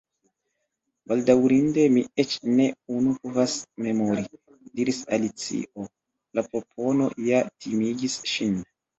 "Bedaŭrinde, mi eĉ ne unu povas memori," diris Alicio. La propono ja timigis ŝin.